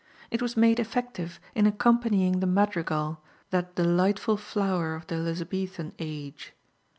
It was made effective in accompanying the madrigal, that delightful flower of the Elizabethan age.